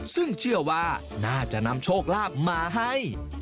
ซึ่งเชื่อว่าน่าจะนำโชคลาภมาให้